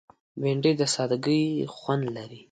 بېنډۍ د سادګۍ خوند لري